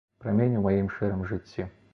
Прамень у маім шэрым жыцці.